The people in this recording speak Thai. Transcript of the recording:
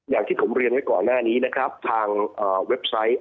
อย่างที่ผมเรียนไว้ก่อนหน้านี้นะครับทางเว็บไซต์